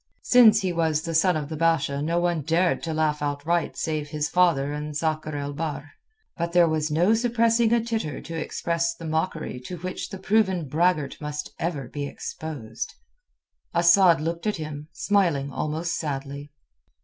Since he was the son of the Basha none dared to laugh outright save his father and Sakr el Bahr. But there was no suppressing a titter to express the mockery to which the proven braggart must ever be exposed. Asad looked at him, smiling almost sadly.